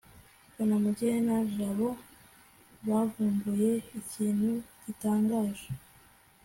kanamugire na jabo bavumbuye ikintu gitangaje